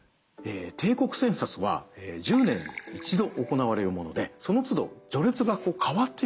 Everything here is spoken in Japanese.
帝国センサスは１０年に一度行われるものでそのつど序列が替わっていくんですね。